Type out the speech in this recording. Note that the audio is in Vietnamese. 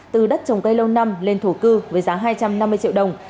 từ đất trồng cây lâu năm lên thổ cư với giá hai trăm năm mươi triệu đồng